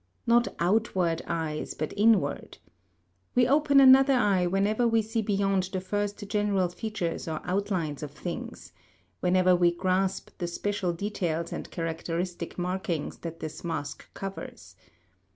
Not outward eyes, but inward. We open another eye whenever we see beyond the first general features or outlines of things whenever we grasp the special details and characteristic markings that this mask covers.